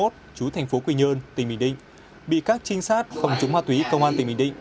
trú thành phố quy nhơn tỉnh bình định bị các trinh sát phòng chống ma túy công an tỉnh bình định